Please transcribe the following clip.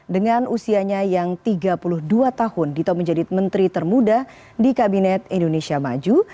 dengan usianya yang tiga puluh dua tahun dito menjadi menteri termuda di kabinet indonesia maju